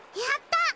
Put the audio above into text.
やった！